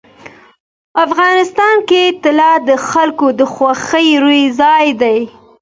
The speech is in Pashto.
افغانستان کې طلا د خلکو د خوښې وړ ځای دی.